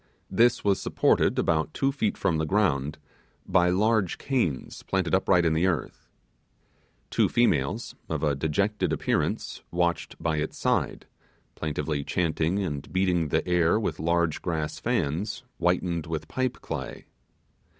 This was supported about two feet from the ground, by large canes planted uprightly in the earth. Two females, of a dejected appearance, watched by its side, plaintively chanting and beating the air with large grass fans whitened with pipe clay.